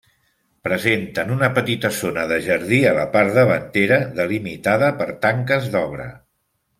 Presenten una petita zona de jardí a la part davantera, delimitada per tanques d'obra.